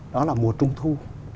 đó là mùa trung thu